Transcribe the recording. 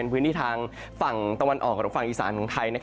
พื้นที่ทางฝั่งตะวันออกหรือฝั่งอีสานของไทย